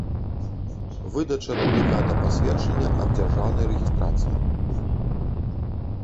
Выдача дублiката пасведчання аб дзяржаўнай рэгiстрацыi